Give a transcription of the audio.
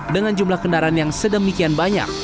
dengan jumlah kendaraan yang sedemikian banyak